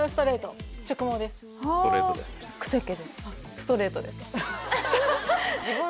ストレートです